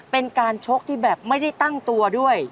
เป็นการชกที่แบบไม่ได้ตั้งตัวด้วย